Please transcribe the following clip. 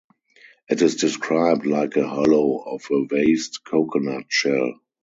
It is described like a hollow of a vast coconut shell.